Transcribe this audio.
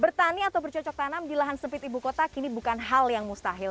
bertani atau bercocok tanam di lahan sempit ibu kota kini bukan hal yang mustahil